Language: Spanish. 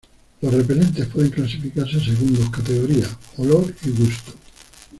Los repelentes pueden clasificarse según dos categorías: olor y gusto.